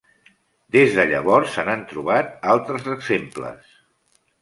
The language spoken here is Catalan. Des de llavors se n'han trobat altres exemples.